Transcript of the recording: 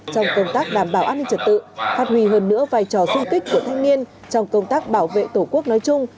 trong công tác đảm bảo an ninh trật tự phát huy hơn nữa vai trò sung kích của thanh niên trong công tác bảo vệ tổ quốc nói chung